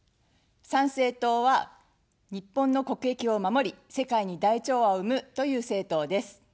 参政党は、日本の国益を守り世界に大調和を生むという政党です。